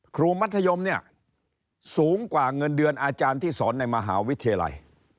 มัธยมเนี่ยสูงกว่าเงินเดือนอาจารย์ที่สอนในมหาวิทยาลัย